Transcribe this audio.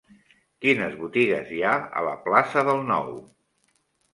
Quines botigues hi ha a la plaça del Nou?